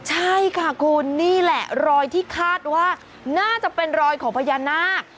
ใช่ค่ะคุณนี่แหละรอยที่คาดว่าน่าจะเป็นรอยของพญานาค